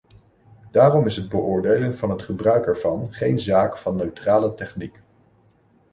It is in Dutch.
Daarom is het beoordelen van het gebruik ervan geen zaak van neutrale techniek.